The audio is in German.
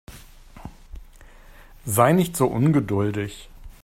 Sei nicht so ungeduldig.